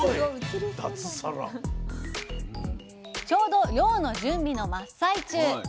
ちょうど漁の準備の真っ最中。